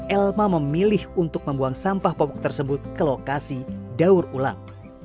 elma memilih untuk membuang sampah popok tersebut ke lokasi daur ulang